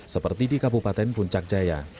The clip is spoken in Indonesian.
seperti di kabupaten puncak jaya